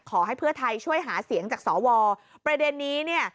ขอให้เพื่อไทยช่วยหาเสียงจากสวประเด็นนี้เนี่ย